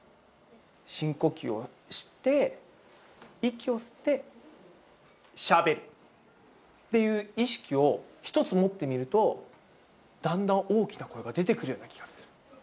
深呼吸をして、息を吸って、しゃべるっていう意識を一つ持ってみると、だんだん大きな声が出てくるような気がする。